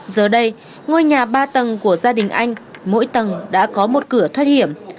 giờ đây ngôi nhà ba tầng của gia đình anh mỗi tầng đã có một cửa thoát hiểm